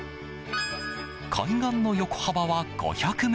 海岸の横幅は５００ｍ。